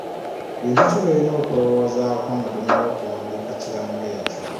Bintu ki by'olina okulowoozaako nga tonnaba kuwandiika kirango ekyo?